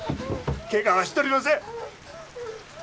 ケガはしとりません